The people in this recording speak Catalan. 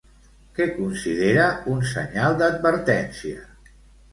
Què considera un senyal d'advertència?